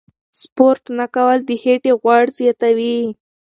سپورت نه کول د خېټې غوړ زیاتوي.